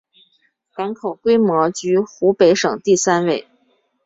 港口规模居湖北省第三位。